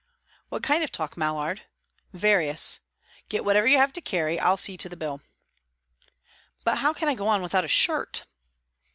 "What kind of talk, Mallard?" "Various. Get whatever you have to carry; I'll see to the bill." "But how can I go on without a shirt?"